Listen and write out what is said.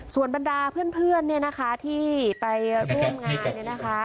ส่วนบรรดาเพื่อนที่ไปร่วมงานนะคะ